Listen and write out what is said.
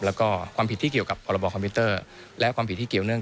แล้วก็ความผิดที่เกี่ยวกับพรบคอมพิวเตอร์และความผิดที่เกี่ยวเนื่อง